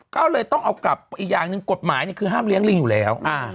ก็เลยต้องเอากลับอีกอย่างหนึ่งกฎหมายคือห้ามเลี้ยลิงอยู่แล้ว